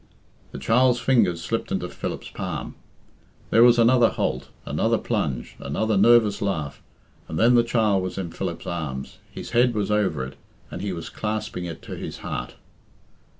The child's fingers slipped into Philip's palm; there was another halt, another plunge, another nervous laugh, and then the child was in Philip's arms, his head was over it, and he was clasping it to his heart.